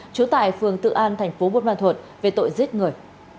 chú tại phường tự an thành phố bột văn thuột về tội giết người